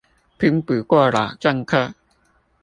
拼不過老政客